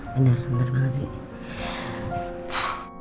bener bener makasih